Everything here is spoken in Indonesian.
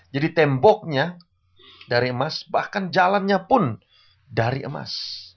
jadi temboknya dari emas bahkan jalannya pun dari emas